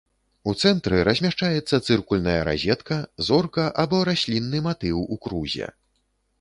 У цэнтры размяшчаецца цыркульная разетка, зорка або раслінны матыў у крузе.